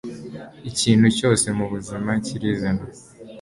ikintu cyose mubuzima kirizana